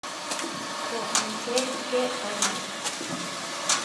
Ko, nejé ké aria!